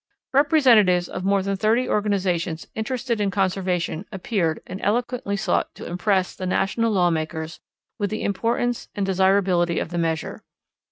Representatives of more than thirty organizations interested in conservation appeared and eloquently sought to impress the national lawmakers with the importance and desirability of the measure.